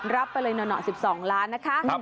รับไปเลยหน่อ๑๒ล้านนะคะ